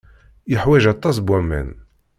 Yeḥwaj aṭas n waman.